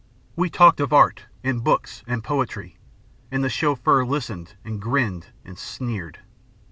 We talked of art, and books, and poetry; and the Chauffeur listened and grinned and sneered.